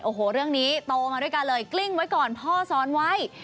โอ้โหเรื่องนี้โตมาด้วยกันเลยกลิ้งไว้ก่อนพ่อสอนไว้